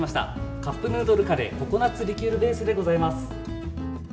カップヌードルカレーココナッツリキュールベースでございます。